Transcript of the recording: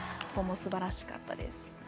ここもすばらしかったです。